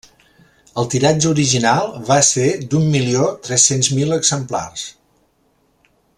El tiratge original va ser d'un milió tres-cents mil exemplars.